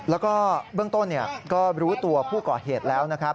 แล้วก็เบื้องต้นก็รู้ตัวผู้ก่อเหตุแล้วนะครับ